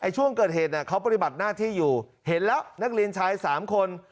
ช่วงเกิดเหตุเขาปฏิบัติหน้าที่อยู่เห็นแล้วนักเรียนชาย๓คน